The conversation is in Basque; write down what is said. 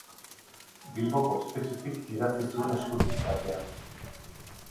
Bilboko espetxetik idatzi zuen eskutitz batean.